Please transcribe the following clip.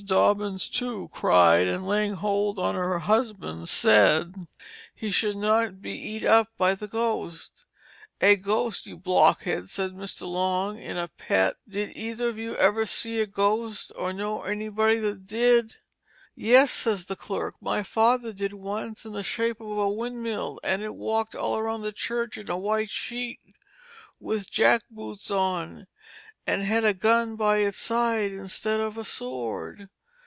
Dobbins, too, cried, and laying hold on her husband said he should not be eat up by the ghost. A ghost, you blockheads, says Mr. Long in a pet, did either of you ever see a ghost, or know anybody that did? Yes, says the clerk, my father did once in the shape of a windmill, and it walked all round the church in a white sheet, with jack boots on, and had a gun by its side instead of a sword.